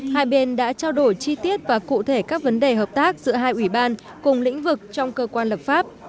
hai bên đã trao đổi chi tiết và cụ thể các vấn đề hợp tác giữa hai ủy ban cùng lĩnh vực trong cơ quan lập pháp